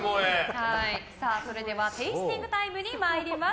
それではテイスティングタイムに参ります。